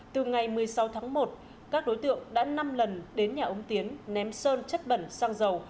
từ ngày một mươi sáu tháng một các đối tượng đã năm lần đến nhà ông tiến ném sơn chất bẩn xăng dầu